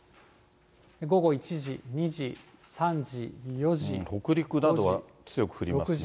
午後１時、２時、３時、４時、北陸などは強く降りますね。